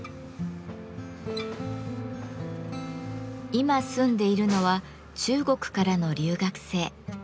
今住んでいるのは中国からの留学生。